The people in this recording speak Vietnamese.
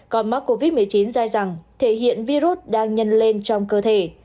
còn mắc covid một mươi chín dài rằng thể hiện virus đang nhân lên trong cơ thể